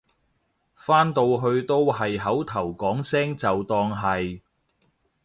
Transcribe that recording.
返到去都係口頭講聲就當係